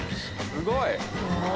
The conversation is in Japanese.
すごい。